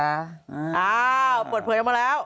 อ้าวเปิดเผยออกมาแล้ว